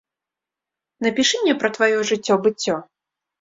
Напішы мне пра тваё жыццё-быццё.